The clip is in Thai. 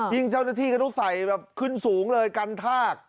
เจ้าหน้าที่ก็ต้องใส่แบบขึ้นสูงเลยกันทาก